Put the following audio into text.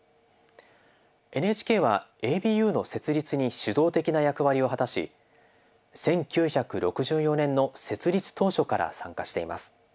ＮＨＫはＡＢＵの設立に主導的な役割を果たし１９６４年の設立当初から参加しています。